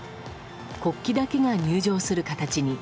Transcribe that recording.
国旗だけが入場する形に。